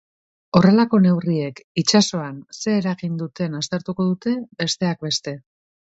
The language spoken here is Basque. Horrelako neurriek itsasoan ze eragin duten aztertuko dute, besteak beste.